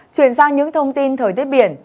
chuyển sang những thông tin thời tiết biển